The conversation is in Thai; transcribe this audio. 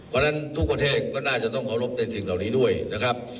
เพราะฉะนั้นทุกประเทศก็น่าจะต้องขอรบเพื่องเห็นของเรื่องเหล่านี้ด้วยนะครับ